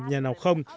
nhà nào không